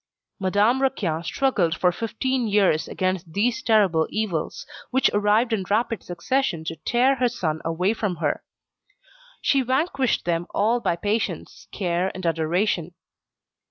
Madame Raquin struggled for fifteen years against these terrible evils, which arrived in rapid succession to tear her son away from her. She vanquished them all by patience, care, and adoration.